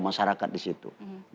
masyarakat di situ